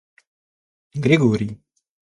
Григорий